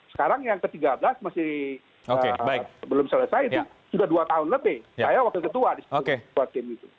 sekarang yang ke tiga belas masih belum selesai itu sudah dua tahun lebih saya wakil ketua di situ ketua tim itu